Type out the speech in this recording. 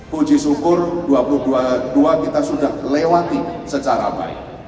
puji syukur dua ribu dua puluh dua kita sudah lewati secara baik